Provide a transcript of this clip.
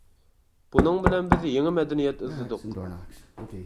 بۇنىڭ بىلەن بىز يېڭى مەدەنىيەت ئىزدىدۇق.